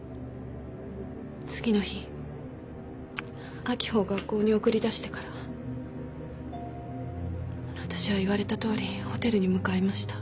次の日秋穂を学校に送り出してからわたしは言われたとおりホテルに向かいました。